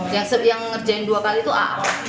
yang ngerjain dua kali itu a